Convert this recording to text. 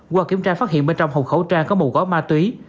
qua kiểm tra phát hiện bên trong hộp khẩu trang có một gói ma túy